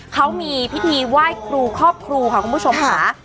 เขามีพิธีไหว้ครูครอบครูค่ะคุณผู้ชมค่ะ